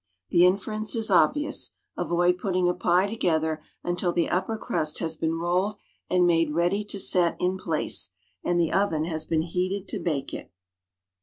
The inference is obvious; avoid putting a pie to gether until the upper crust has been rolled and made ready to set in place, and the oven has been heated to bake it.